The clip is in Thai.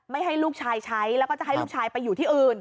ให้ลูกชายใช้แล้วก็จะให้ลูกชายไปอยู่ที่อื่น